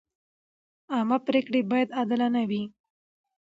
عامه پریکړې باید عادلانه وي.